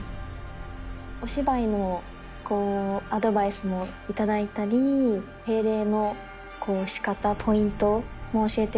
お芝居のアドバイスも頂いたり敬礼の仕方ポイントも教えていただいたり。